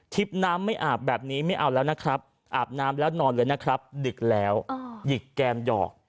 น้ำไม่อาบแบบนี้ไม่เอาแล้วนะครับอาบน้ำแล้วนอนเลยนะครับดึกแล้วหยิกแกมหยอก